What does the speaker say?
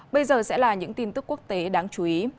bây giờ sẽ là những tin tức quốc tế đáng chú ý